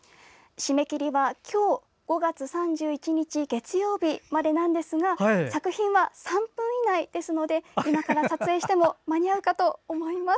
締め切りは今日５月３１日月曜日までなんですが作品は３分以内ですので今から撮影しても間に合うかと思います。